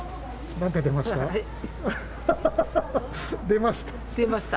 何が出ました？